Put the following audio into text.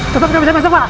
tetep gak bisa masuk pak